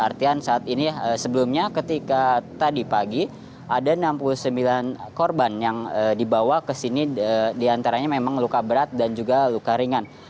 artian saat ini sebelumnya ketika tadi pagi ada enam puluh sembilan korban yang dibawa ke sini diantaranya memang luka berat dan juga luka ringan